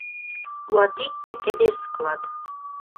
Луатиктӹ кӹдеж-склад: